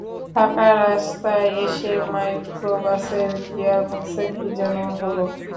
ফাঁকা রাস্তায় এসে মাইক্রোবাসের গিয়ারবক্সে কী যেন হল।